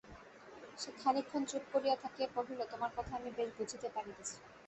সে খানিক ক্ষণ চুপ করিয়া থাকিয়া কহিল, তোমার কথা আমি বেশ বুঝিতে পারিতেছি।